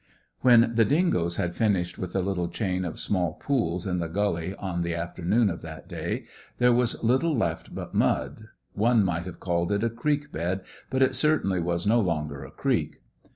When the dingoes had finished with the little chain of small pools in the gully on the afternoon of that day, there was little left but mud; one might have called it a creek bed, but it certainly was no longer a creek.